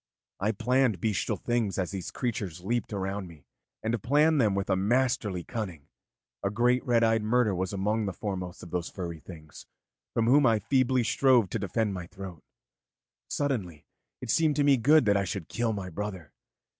I planned bestial things as these creatures leaped around me, and planned them with a masterly cunning. A great red eyed murder was among the foremost of those furry things from whom I feebly strove to defend my throat. Suddenly it seemed to me good that I should kill my brother.